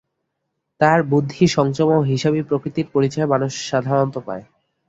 তাহার বুদ্ধি, সংযম ও হিসাবি প্রকৃতির পরিচয় মানুষ সাধারণত পায়।